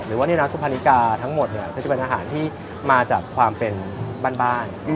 หรือว่านี่น้ำซุภานิกาทั้งหมดเนี่ยคือจะเป็นอาหารที่มาจากความเป็นบ้านบ้าน